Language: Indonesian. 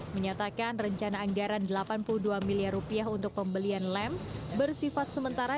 menyatakan rencana anggaran rp delapan puluh dua miliar rupiah untuk pembelian lem bersifat sementara